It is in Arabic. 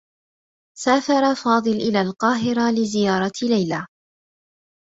سافر فاضل إلى القاهرة لزيارة ليلى.